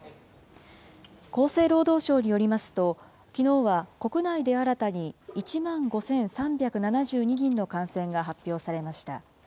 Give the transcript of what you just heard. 厚生労働省によりますと、きのうは国内で新たに１万５３７２人の感染が発表されました。